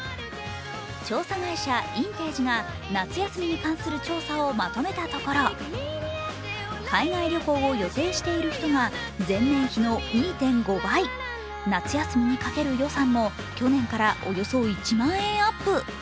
調査会社、インテージが夏休みに関する調査をまとめたところ、海外旅行を予定している人が前年比の２．５倍、夏休みにかける予算も去年からおよそ１万円アップ。